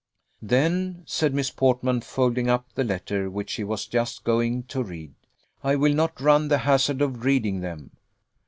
"Then," said Miss Portman, folding up the letter which she was just going to read, "I will not run the hazard of reading them."